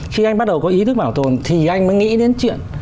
khi anh bắt đầu có ý thức bảo tồn thì anh mới nghĩ đến chuyện